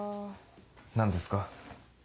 何ですか？